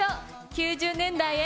９０年代へ。